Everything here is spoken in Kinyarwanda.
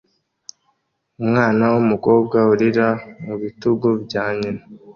umwana wumukobwa urira mubitugu bya nyina